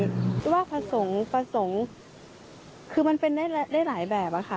หรือว่าประสงค์ประสงค์คือมันเป็นได้หลายแบบค่ะ